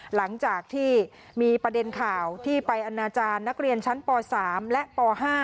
หลังจากที่มีประเด็นข่าวที่ไปอนาจารย์นักเรียนชั้นป๓และป๕